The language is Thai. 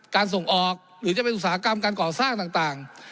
ส่งออกหรือจะเป็นอุตสาหกรรมการก่อสร้างต่าง